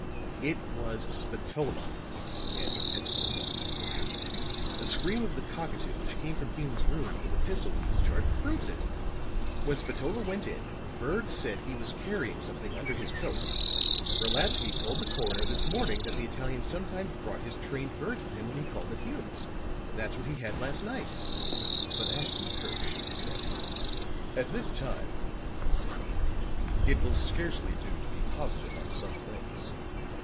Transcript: "It was Spatola," answered Pendleton, with conviction. "The scream of the cockatoo which came from Hume's rooms when the pistol was discharged proves it. When Spatola went in, Berg said he was carrying something under his coat. Brolatsky told the coroner this morning that the Italian sometimes brought his trained birds with him when he called at Hume's. That's what he had last night." But Ashton Kirk shook his head. "At this time," he said, "it will scarcely do to be positive on some things.